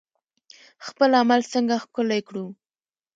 خپل عمل څنګه ښکلی کړو؟